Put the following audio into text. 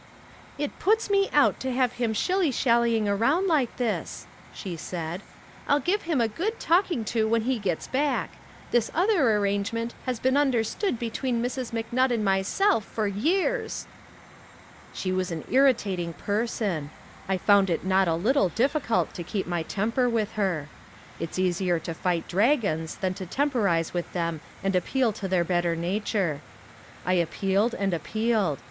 "It puts me out to have him shilly shallying around like this," she said. "I'll give him a good talking to when he gets back. This other arrangement has been understood between Mrs. McNutt and myself for years." She was an irritating person. I found it not a little difficult to keep my temper with her. It's easier to fight dragons than to temporize with them and appeal to their better nature. I appealed and appealed.